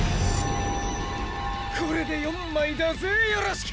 これで４枚だぜよろしく！